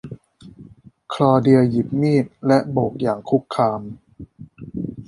คลอเดียหยิบมีดและโบกอย่างคุกคาม